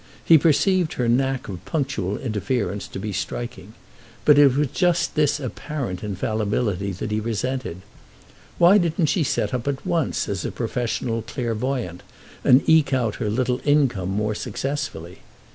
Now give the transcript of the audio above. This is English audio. He perceived her knack of punctual interference to be striking, but it was just this apparent infallibility that he resented. Why didn't she set up at once as a professional clairvoyant and eke out her little income more successfully?